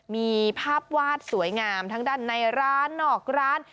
มีภาพวาดสวยงามทั้งด้านในร้านนอกร้าน